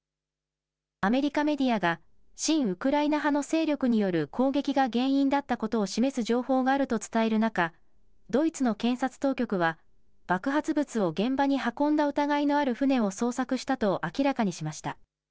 アメリカメディアが親ウクライナ派の勢力による攻撃が原因だったことを示す情報があると伝える中、ドイツの検察当局は爆発物を現場に運んだ疑いのある船を捜索したと明らかにしました。